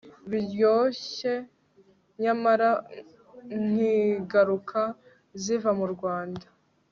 Biryoshe nyamara nkingaruka ziva ku Mana